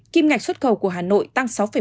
kim ngạch xuất khẩu của hà nội tăng sáu bảy